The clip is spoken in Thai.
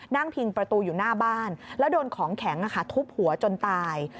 พิงประตูอยู่หน้าบ้านแล้วโดนของแข็งทุบหัวจนตาย